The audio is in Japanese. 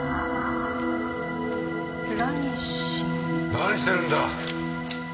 何してるんだ！